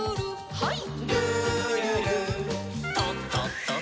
はい。